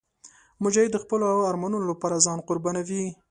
مجاهد د خپلو ارمانونو لپاره ځان قربانوي.